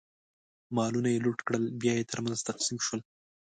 مالونه یې لوټ کړل، بیا یې ترمنځ تقسیم شول.